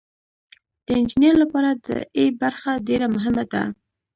د انجینر لپاره د ای برخه ډیره مهمه ده.